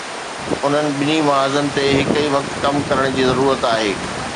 انهن ٻنهي محاذن تي هڪ ئي وقت ڪم ڪرڻ جي ضرورت آهي.